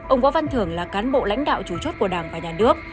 ông võ văn thưởng là cán bộ lãnh đạo chủ chốt của đảng và nhà nước